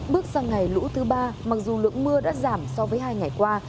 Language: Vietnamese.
bước sang ngày lũ thứ ba mặc dù lượng mưa đã giảm so với hai ngày qua